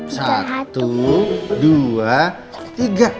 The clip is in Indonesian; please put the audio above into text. satu dua tiga